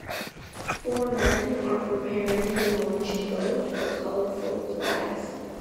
Four men are preparing to launch a boat with colorful flags.